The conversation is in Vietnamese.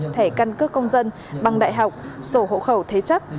thẻ căn cước công dân bằng đại học sổ hộ khẩu thế chấp